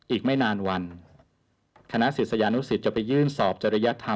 อีกไม่นานวันคณะศิษยานุสิตจะไปยื่นสอบจริยธรรม